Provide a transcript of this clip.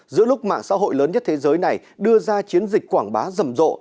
giữa lúc mạng xã hội lớn nhất thế giới này đưa ra chiến dịch quảng bá rầm rộ